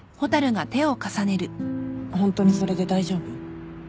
ホントにそれで大丈夫？